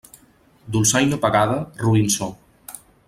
Dolçaina pagada, roín so.